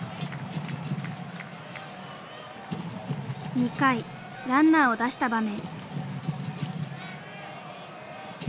２回ランナーを出した場面。